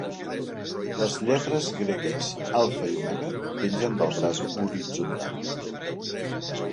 Les lletres gregues alfa i omega pengen del braç horitzontal.